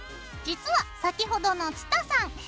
実は先ほどの蔦さん